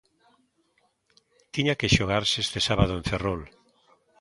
Tiña que xogarse este sábado en Ferrol.